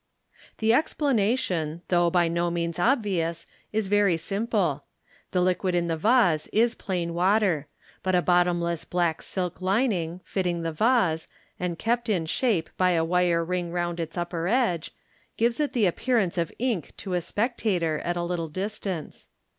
The explanation, though by do m »ans obvious, is very simple. The liquid in the vase is plain water ; but a bottomless black silk lining, fitting the vase, and kept in shape by a wire ring round its upper edge, gives it the appearance of ink to a spectator at a little distance.